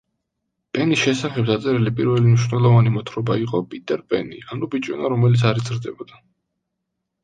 პენის შესახებ დაწერილი პირველი მნიშვნელოვანი მოთხრობა იყო „პიტერ პენი, ანუ ბიჭუნა, რომელიც არ იზრდებოდა“.